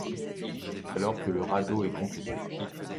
C’est alors que le radeau est complété.